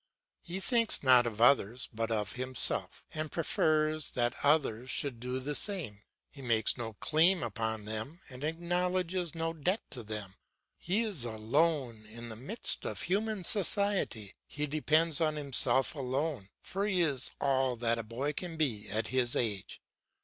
He thinks not of others but of himself, and prefers that others should do the same. He makes no claim upon them, and acknowledges no debt to them. He is alone in the midst of human society, he depends on himself alone, for he is all that a boy can be at his age.